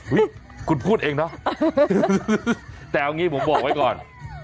คุณพูดเองนะแต่เอางี้ผมบอกไว้ก่อน